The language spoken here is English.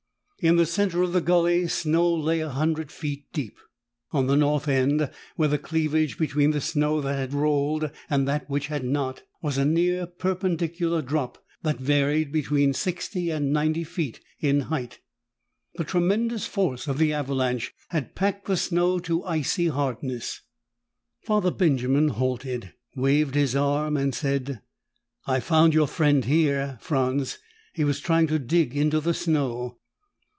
In the center of the gulley, snow lay a hundred feet deep. On the north end, where the cleavage between the snow that had rolled and that which had not rolled was almost as sharp as though some colossus had cut it with a knife, there was a near perpendicular drop that varied between sixty and ninety feet in height. The tremendous force of the avalanche had packed the snow to icy hardness. Father Benjamin halted, waved his arm and said, "I found your friend here, Franz. He was trying to dig into the snow."